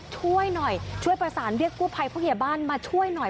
ช่วยหน่อยช่วยประสานเรียกกู้ภัยผู้ใหญ่บ้านมาช่วยหน่อย